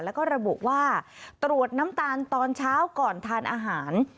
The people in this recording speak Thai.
แล้วก็ระบุว่าตรวจน้ำตาลตอนเช้าก่อนทานอาหาร